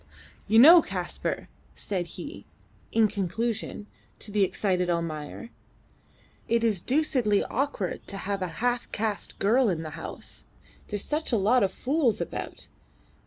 "You know, Kaspar," said he, in conclusion, to the excited Almayer, "it is deucedly awkward to have a half caste girl in the house. There's such a lot of fools about.